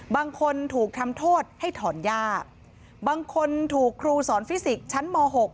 บางคนถูกทำโทษให้ถอนหญ้าบางคนถูกครูสอนฟิสิกส์ชั้นม๖